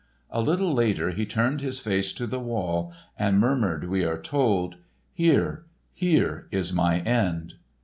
A little later he turned his face to the wall and murmured, we are told, "Here, here is my end!"